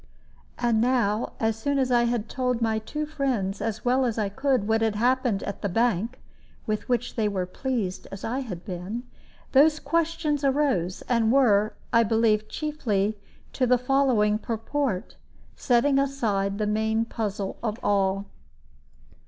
And now, as soon as I had told my two friends as well as I could what had happened at the bank (with which they were pleased, as I had been), those questions arose, and were, I believe, chiefly to the following purport setting aside the main puzzle of all.